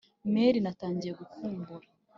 mary: natangiye kugukumbura